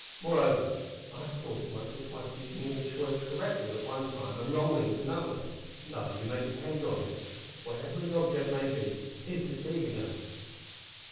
Moreover, I have caught him once or twice using English words correctly at one time and wrongly at another. No, you may depend on it that, whatever his object may be, he is deceiving us."